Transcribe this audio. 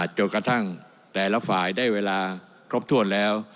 จนกระทั่งแต่ละฝ่ายได้เวลาครบถ้วนแล้ว